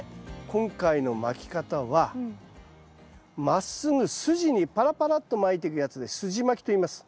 今回のまき方はまっすぐすじにパラパラっとまいていくやつですじまきといいます。